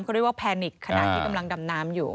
เขาเรียกว่าแพนิกขณะที่กำลังดำน้ำอยู่